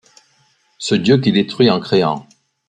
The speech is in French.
Ce Dieu qui détruit en créant